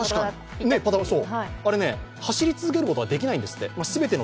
あれ、走り続けることができないんですって